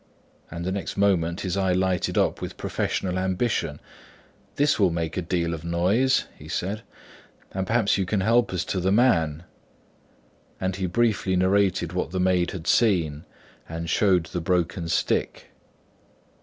And the next moment his eye lighted up with professional ambition. "This will make a deal of noise," he said. "And perhaps you can help us to the man." And he briefly narrated what the maid had seen, and showed the broken stick.